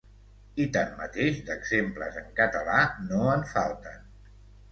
I tanmateix, d'exemples en català no en falten.